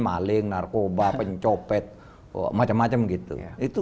maling narkoba pencopet macam macam gitu